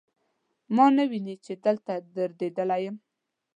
ما نه ویني، چې دلته دریدلی یم